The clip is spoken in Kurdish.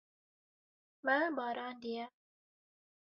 Me barandiye.